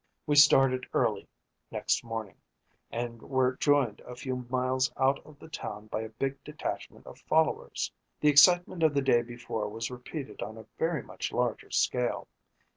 We started early next morning, and were joined a few miles out of the town by a big detachment of followers. The excitement of the day before was repeated on a very much larger scale.